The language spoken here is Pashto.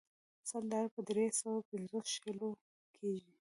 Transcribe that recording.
سل ډالر په درې سوه پنځوس شلو کېږي.